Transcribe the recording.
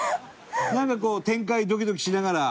なんかこう展開ドキドキしながら。